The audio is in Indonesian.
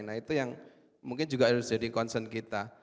nah itu yang mungkin juga harus jadi concern kita